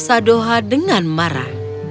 sadoha dengan marah